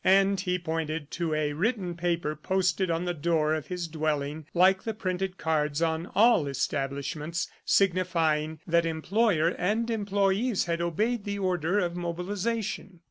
And he pointed to a written paper posted on the door of his dwelling like the printed cards on all establishments, signifying that employer and employees had obeyed the order of mobilization.